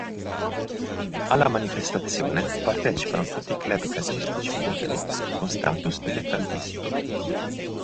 Alla manifestazione partecipano tutti i club calcistici bulgari con status dilettantistico.